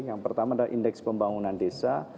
yang pertama adalah indeks pembangunan desa